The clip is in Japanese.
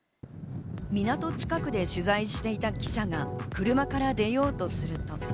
港近くで取材していた記者が車から出ようとすると。